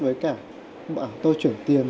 với cả tôi chuyển tiền